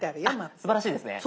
すばらしいですね。